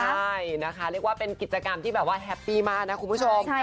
ใช่นะคะเรียกว่าเป็นกิจกรรมที่แบบว่าแฮปปี้มากนะคุณผู้ชม